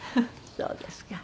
そうですか。